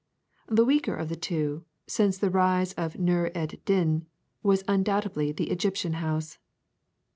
The weaker of the two, since the rise of Nûr ed Din, was undoubtedly the Egyptian house.